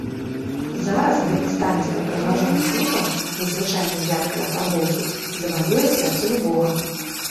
Зараз гэты станісты прыгажун з футрам незвычайнай яркай афарбоўкі заваюе сэрца любога.